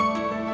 aku mau ke rumah